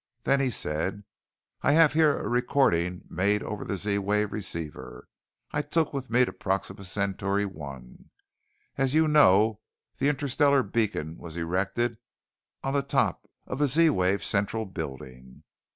Then he said: "I have here a recording made over the Z wave receiver I took with me to Proxima Centauri I. As you know, the interstellar beacon was erected on the top of the Z wave Central Building.